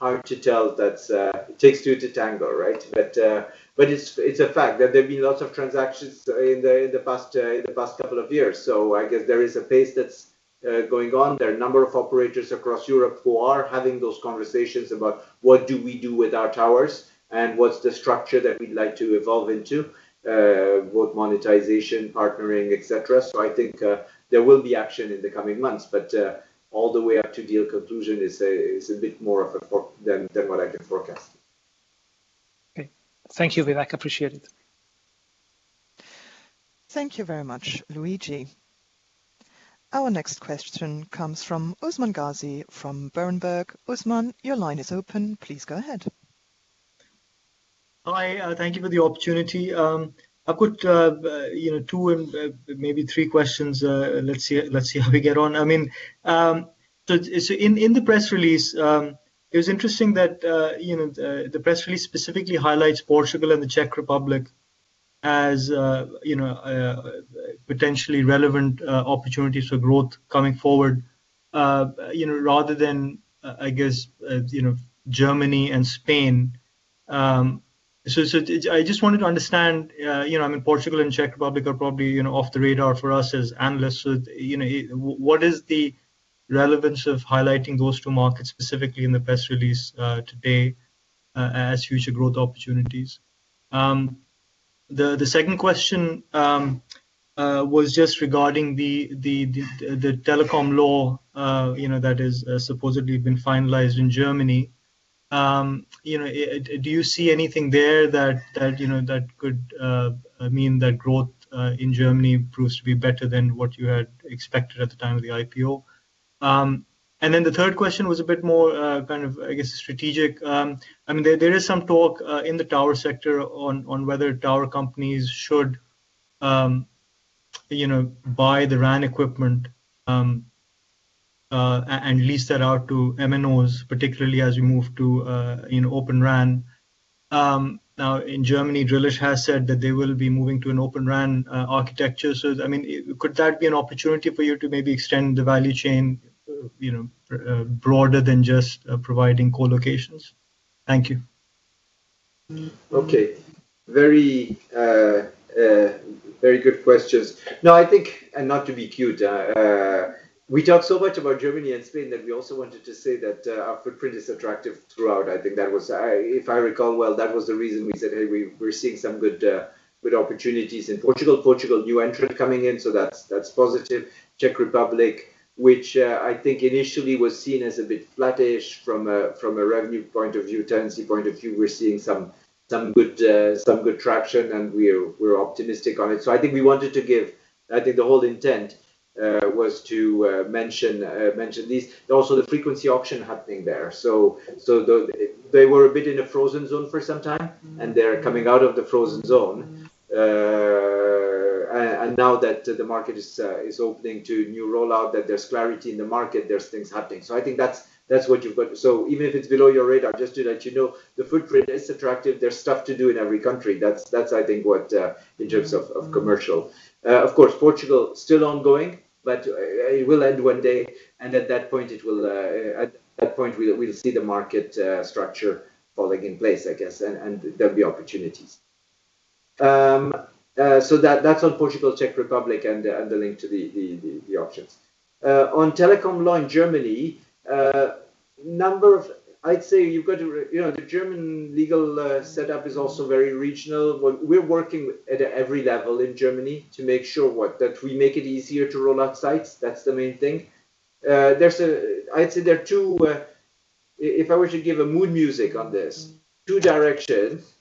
hard to tell. It takes two to tango, right? It's a fact that there's been lots of transactions in the past couple of years. I guess there is a pace that's going on. There are a number of operators across Europe who are having those conversations about what do we do with our towers and what's the structure that we'd like to evolve into, what monetization, partnering, et cetera. I think there will be action in the coming months. All the way up to deal conclusion is a bit more than what I can forecast. Okay. Thank you, Vivek. Appreciate it. Thank you very much, Luigi. Our next question comes from Usman Ghazi from Berenberg. Usman, your line is open. Please go ahead. Hi, thank you for the opportunity. I've got two and maybe three questions. Let's see how we get on. In the press release, it's interesting that the press release specifically highlights Portugal and the Czech Republic as potentially relevant opportunities for growth coming forward, rather than, I guess, Germany and Spain. I just wanted to understand, Portugal and Czech Republic are probably off the radar for us as analysts. What is the relevance of highlighting those two markets specifically in the press release today as future growth opportunities? The second question was just regarding the Telecommunications Act that has supposedly been finalized in Germany. Do you see anything there that could mean that growth in Germany proves to be better than what you had expected at the time of the IPO? The third question was a bit more kind of, I guess, strategic. There is some talk in the tower sector on whether tower companies should buy the RAN equipment and lease that out to MNOs, particularly as we move to Open RAN. In Germany, Deutsche has said that they will be moving to an Open RAN architecture. Could that be an opportunity for you to maybe extend the value chain broader than just providing co-locations? Thank you. Okay. Very good questions. I think, and not to be cute, we talk so much about Germany and Spain that we also wanted to say that our footprint is attractive throughout. If I recall, well, that was the reason we said, "Hey, we're seeing some good opportunities in Portugal." Portugal, new entrant coming in, that's positive. Czech Republic, which I think initially was seen as a bit flattish from a revenue point of view, tenancy point of view. We're seeing some good traction, and we're optimistic on it. I think the whole intent was to mention these. Also the frequency auction happening there. They were a bit in a frozen zone for some time, and they're coming out of the frozen zone. Now that the market is opening to new rollout, that there's clarity in the market, there's things happening. Even if it's below your radar, just to let you know, the footprint is attractive. There's stuff to do in every country. That's I think what in terms of commercial. Of course, Portugal still ongoing, but it will end one day, and at that point we'll see the market structure falling in place, I guess, and there'll be opportunities. That's on Portugal, Czech Republic, and the link to the auctions. On telecom law in Germany, I'd say the German legal setup is also very regional. We're working at every level in Germany to make sure that we make it easier to roll out sites. That's the main thing. If I were to give a mood music on this, two directions.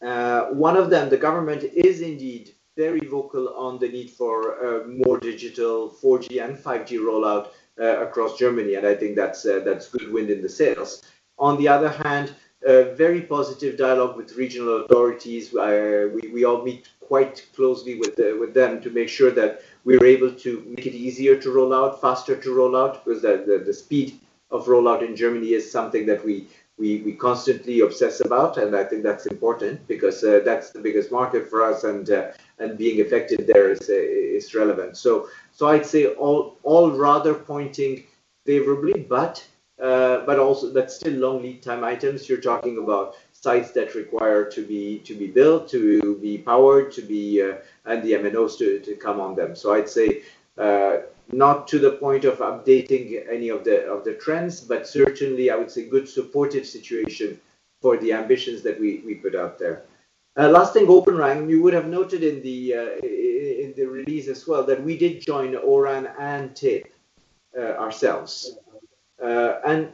One of them, the government is indeed very vocal on the need for more digital 4G and 5G rollout across Germany, and I think that's good wind in the sails. On the other hand, very positive dialogue with regional authorities. We all meet quite closely with them to make sure that we're able to make it easier to roll out, faster to roll out, because the speed of rollout in Germany is something that we constantly obsess about, and I think that's important because that's the biggest market for us, and being effective there is relevant. I'd say all rather pointing favorably, but also that's still long lead time items. You're talking about sites that require to be built, to be powered, and the MNOs to come on them. I'd say, not to the point of updating any of the trends, but certainly I would say good supportive situation for the ambitions that we put out there. Last thing, Open RAN. You would have noted in the release as well that we did join O-RAN and TIP ourselves. I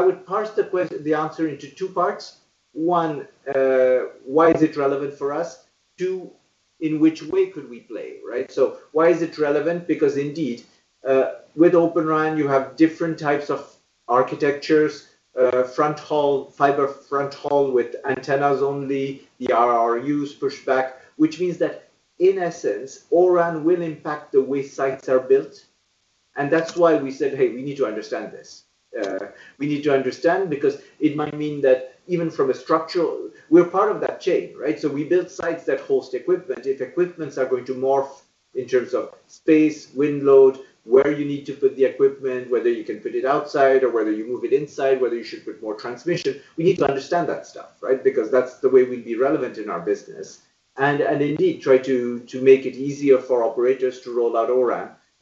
would parse the answer into two parts. One, why is it relevant for us? Two, in which way could we play? Why is it relevant? Because indeed, with Open RAN you have different types of architectures, fiber fronthaul with antennas only, the RRUs pushback, which means that in essence, O-RAN will impact the way sites are built. That's why we said, "Hey, we need to understand this." We need to understand because it might mean that even from a. We're part of that chain, right? We build sites that host equipment. If equipment are going to morph in terms of space, wind load, where you need to put the equipment, whether you can put it outside or whether you move it inside, whether you should put more transmission, we need to understand that stuff. That's the way we'd be relevant in our business. Indeed, try to make it easier for operators to roll out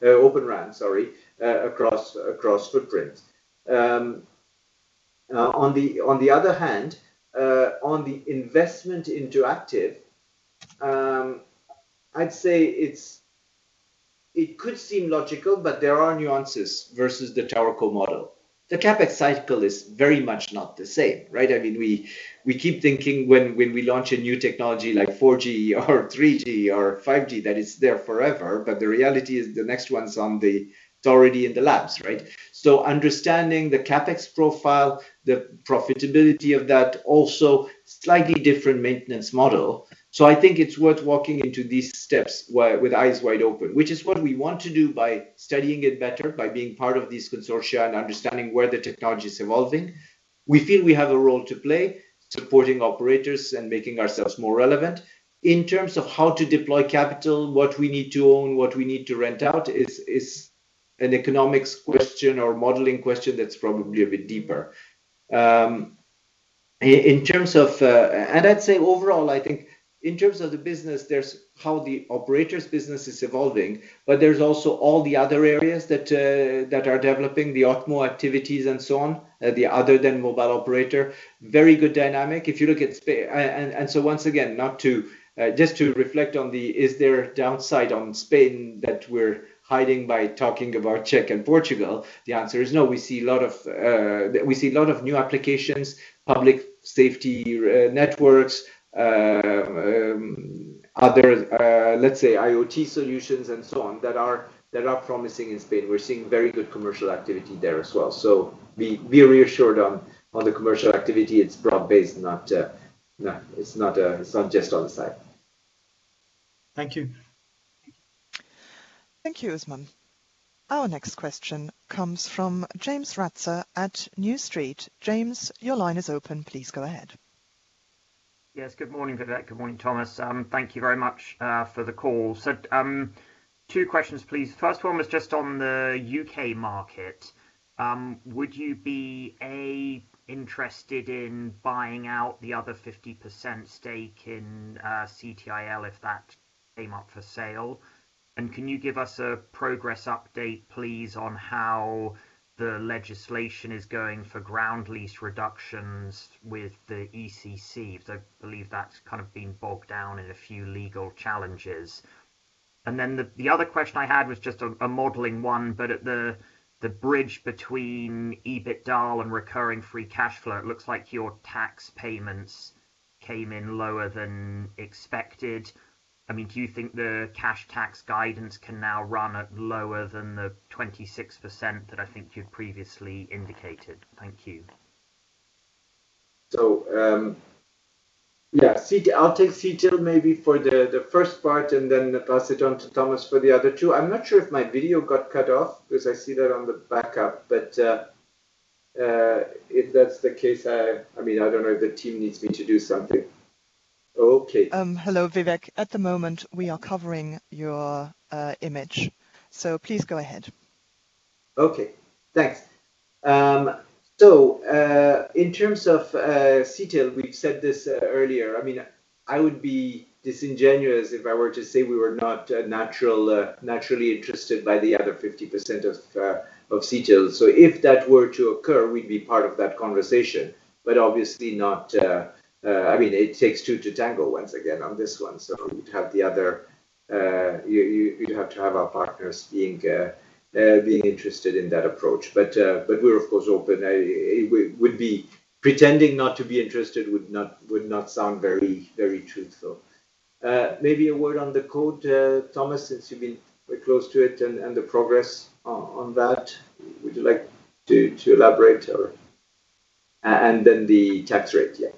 Open RAN across footprints. On the other hand, on the investment into active, I'd say it could seem logical, but there are nuances versus the typical model. The CapEx cycle is very much not the same, right? We keep thinking when we launch a new technology like 4G or 3G or 5G, that it's there forever. The reality is the next one it's already in the labs, right? Understanding the CapEx profile, the profitability of that, also slightly different maintenance model. I think it's worth walking into these steps with eyes wide open, which is what we want to do by studying it better, by being part of these consortia and understanding where the technology is evolving. We feel we have a role to play supporting operators and making ourselves more relevant. In terms of how to deploy capital, what we need to own, what we need to rent out is an economics question or modeling question that's probably a bit deeper. I'd say overall, I think in terms of the business, there's how the operators business is evolving, but there's also all the other areas that are developing, the OpMo activities and so on, the other than mobile operator. Very good dynamic. Once again, just to reflect on the is there a downside on Spain that we're hiding by talking about Czech and Portugal? The answer is no. We see a lot of new applications, public safety networks, other, let's say, IoT solutions and so on that are promising in Spain. We're seeing very good commercial activity there as well. We're reassured on the commercial activity. It's broad-based, it's not just on the side. Thank you. Thank you, Usman. Our next question comes from James Ratzer at New Street. James, your line is open. Please go ahead. Yes, good morning, Vivek, good morning, Thomas. Thank you very much for the call. Two questions, please. First one was just on the U.K. market. Would you be, A, interested in buying out the other 50% stake in CTIL if that came up for sale? Can you give us a progress update, please, on how the legislation is going for ground lease reductions with the ECC? Because I believe that's kind of been bogged down in a few legal challenges. The other question I had was just a modeling one, but at the bridge between EBITDA and recurring free cash flow, it looks like your tax payments came in lower than expected. Do you think the cash tax guidance can now run at lower than the 26% that I think you previously indicated? Thank you. Yeah. I'll take CTIL maybe for the first part and then pass it on to Thomas for the other two. I'm not sure if my video got cut off because I see that on the backup, but if that's the case, I don't know if the team needs me to do something. Okay. Hello, Vivek. At the moment, we are covering your image. Please go ahead. Okay, thanks. In terms of CTIL, we said this earlier. I would be disingenuous if I were to say we were not naturally interested by the other 50% of CTIL. If that were to occur, we'd be part of that conversation. Obviously, it takes two to tango once again on this one. You'd have to have our partners being interested in that approach. We're of course open. Pretending not to be interested would not sound very truthful. Maybe a word on the code, Thomas, since you've been very close to it and the progress on that. Would you like to elaborate? The tax rate, yeah.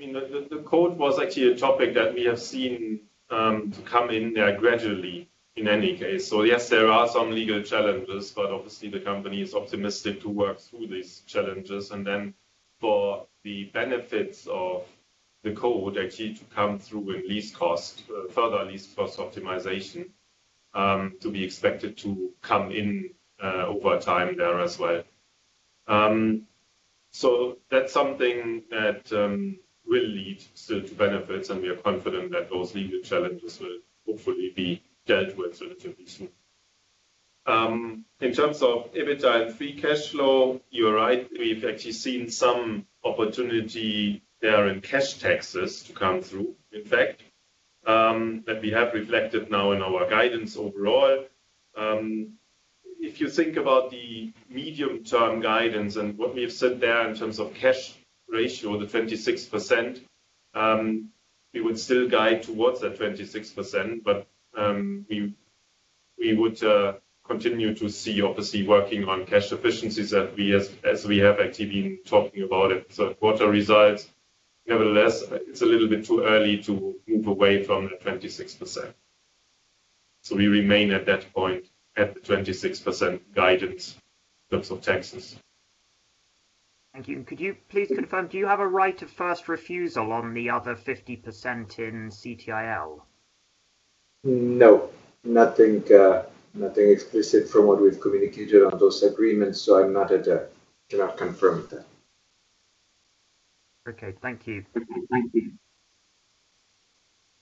The code was actually a topic that we have seen coming there gradually in any case. Yes, there are some legal challenges, but obviously the company is optimistic to work through these challenges and then for the benefits of the code actually to come through with further lease cost optimization, to be expected to come in over time there as well. That's something that will lead to benefits, and we are confident that those legal challenges will hopefully be dealt with relatively soon. In terms of EBITDA and free cash flow, you're right, we've actually seen some opportunity there in cash taxes to come through, in fact, that we have reflected now in our guidance overall. If you think about the medium-term guidance and what we have said there in terms of cash ratio, the 26%, we would still guide towards that 26%, but we would continue to see, obviously, working on cash efficiencies as we have actively been talking about it. Quarter results, nevertheless, it's a little bit too early to move away from the 26%. We remain at that point, at the 26% guidance in terms of taxes. Thank you. Could you please confirm, do you have a right of first refusal on the other 50% in Cornerstone? No, nothing explicit from what we've communicated on those agreements, so I cannot confirm that. Okay, thank you. Okay, thank you.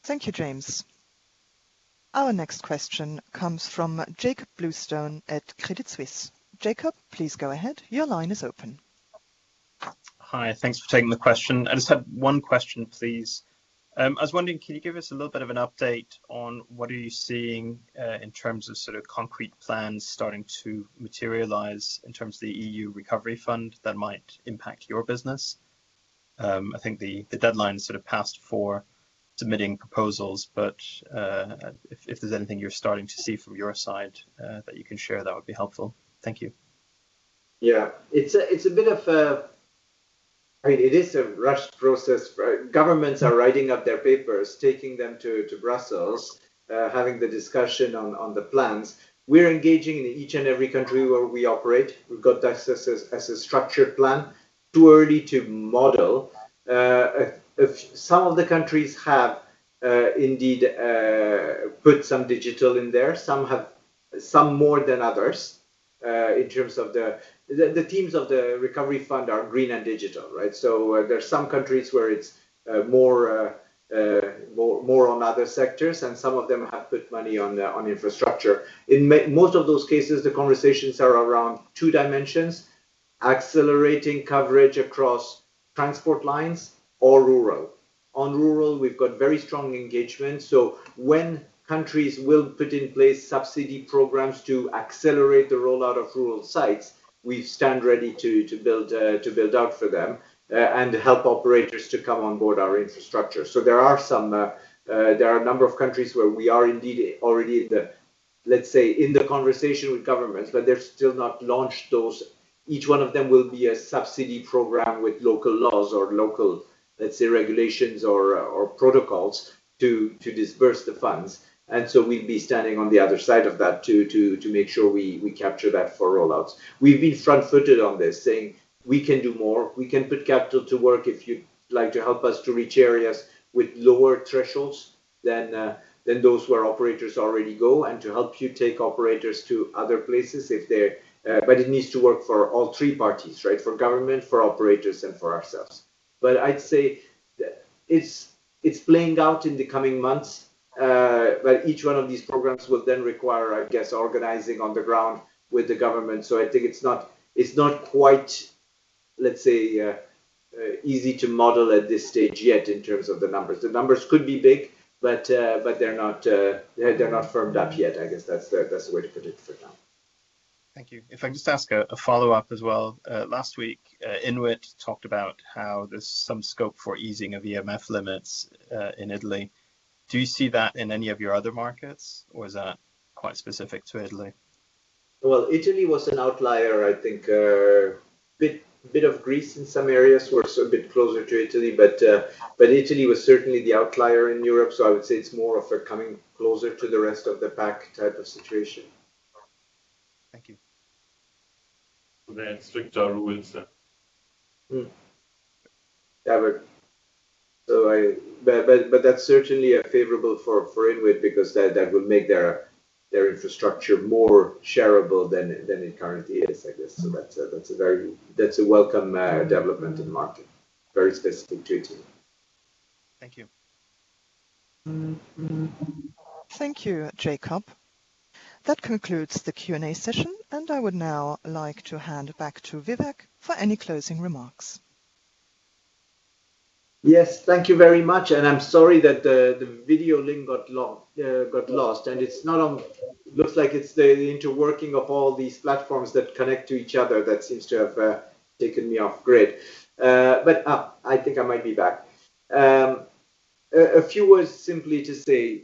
Thank you, James. Our next question comes from Jakob Bluestone at Credit Suisse. Jakob, please go ahead. Your line is open. Hi. Thanks for taking the question. I just have one question, please. I was wondering, can you give us a little bit of an update on what are you seeing in terms of concrete plans starting to materialize in terms of the EU recovery fund that might impact your business? I think the deadline's passed for submitting proposals. If there's anything you're starting to see from your side that you can share, that would be helpful. Thank you. It is a rushed process, right? Governments are writing up their papers, taking them to Brussels, having the discussion on the plans. We're engaging in each and every country where we operate. We've got that as a structured plan. Too early to model. Some of the countries have indeed put some digital in there, some more than others. The themes of the recovery fund are green and digital, right? There's some countries where it's more on other sectors, and some of them have put money on infrastructure. In most of those cases, the conversations are around two dimensions, accelerating coverage across transport lines or rural. On rural, we've got very strong engagement. When countries will put in place subsidy programs to accelerate the rollout of rural sites, we stand ready to build out for them and help operators to come on board our infrastructure. There are a number of countries where we are indeed already, let's say, in the conversation with governments, but they've still not launched those. Each one of them will be a subsidy program with local laws or local, let's say, regulations or protocols to disperse the funds. We'd be standing on the other side of that to make sure we capture that for rollouts. We've been front-footed on this, saying we can do more. We can put capital to work if you'd like to help us to reach areas with lower thresholds than those where operators already go, and to help you take operators to other places. It needs to work for all three parties, right? For government, for operators, and for ourselves. I'd say it's playing out in the coming months. Each one of these programs will then require, I guess, organizing on the ground with the government. I think it's not quite, let's say, easy to model at this stage yet in terms of the numbers. The numbers could be big, but they're not firmed up yet. I guess that's the way to put it for now. Thank you. If I could just ask a follow-up as well. Last week, INWIT talked about how there's some scope for easing of EMF limits in Italy. Do you see that in any of your other markets, or is that quite specific to Italy? Well, Italy was an outlier, I think. A bit of Greece in some areas was a bit closer to Italy. Italy was certainly the outlier in Europe, I would say it's more of a coming closer to the rest of the pack type of situation. Thank you. It's like Darwin's. Yeah. That's certainly favorable for INWIT because that would make their infrastructure more shareable than it currently is, I guess. That's a welcome development in the market, very specific to Italy. Thank you. Thank you, Jakob. That concludes the Q&A session, and I would now like to hand it back to Vivek for any closing remarks. Yes, thank you very much. I'm sorry that the video link got lost. It looks like it's the interworking of all these platforms that connect to each other that seems to have taken me off grid. I think I might be back. A few words simply to say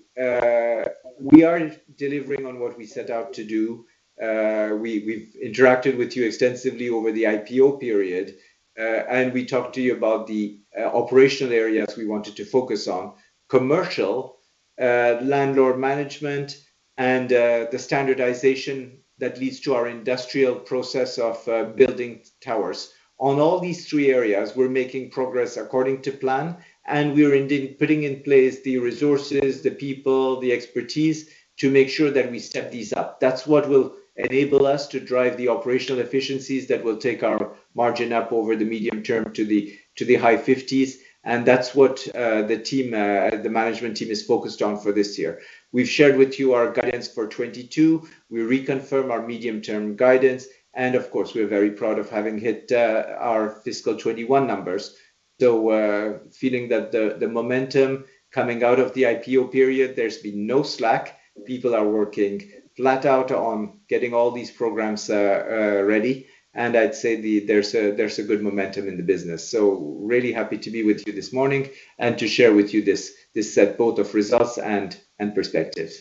we are delivering on what we set out to do. We've interacted with you extensively over the IPO period, and we talked to you about the operational areas we wanted to focus on. Commercial, landlord management, and the standardization that leads to our industrial process of building towers. On all these three areas, we're making progress according to plan, and we're indeed putting in place the resources, the people, the expertise to make sure that we step these up. That's what will enable us to drive the operational efficiencies that will take our margin up over the medium term to the high 50s, and that's what the management team is focused on for this year. We've shared with you our guidance for 2022. We reconfirm our medium-term guidance. Of course, we are very proud of having hit our fiscal 2021 numbers. Feeling that the momentum coming out of the IPO period, there's been no slack. People are working flat out on getting all these programs ready. I'd say there's a good momentum in the business. Really happy to be with you this morning and to share with you this set both of results and perspective.